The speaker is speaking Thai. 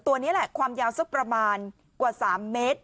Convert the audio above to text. ตัวนี้แหละความยาวสักประมาณกว่า๓เมตร